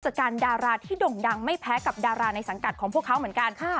จากการดาราที่ด่งดังไม่แพ้กับดาราในสังกัดของพวกเขาเหมือนกัน